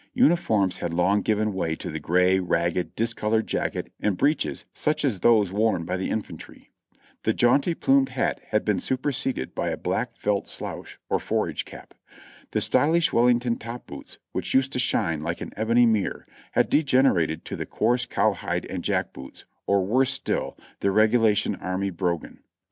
Uniforms had long given way to the gray, ragged, dis colored jacket and breeches such as those worn by the infantry. The jaunty plumed hat had been superseded by a black felt slouch, or forage cap. The stylish Wellington top boots, wdiich used to shine like an ebony mirror, had degenerated to the coarse cowhide and jack boots, or w'orse still, the reg^ilation army bro gan.